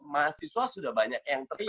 mahasiswa sudah banyak yang terima